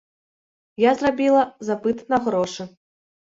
Я зрабіла запыт на грошы.